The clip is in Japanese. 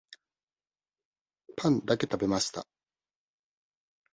パンだけ食べました。